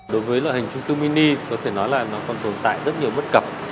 đối với loại hình trung cư mini có thể nói là nó còn tồn tại rất nhiều bất cập